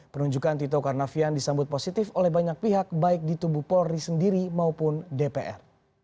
penunjukan tito karnavian disambut positif oleh banyak pihak baik di tubuh polri sendiri maupun dpr